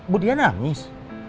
bu dia nangis